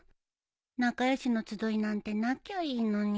「なかよしの集い」なんてなきゃいいのに